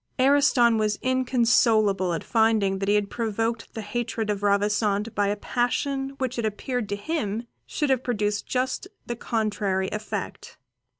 Ariston was inconsolable at finding he had provoked the hatred of Ravissante by a passion which it appeared to him should have produced just the contrary effect.